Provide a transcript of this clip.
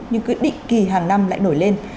nhưng quyết định kỳ hàng năm lại nổi lên